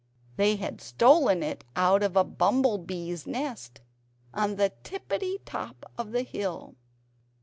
They had stolen it out of a bumble BEES' nest on the tippity top of the hill.